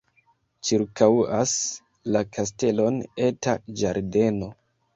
Ĉirkaŭas la kastelon eta ĝardeno.